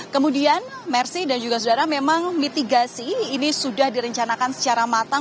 kemudian mersi dan juga saudara memang mitigasi ini sudah direncanakan secara matang